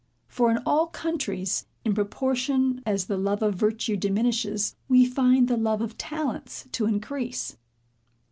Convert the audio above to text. For in all countries, in proportion as the love of virtue diminishes, we find the love of talents to increase.